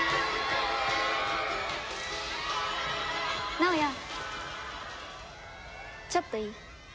直哉ちょっといい？